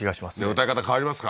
歌い方変わりますか？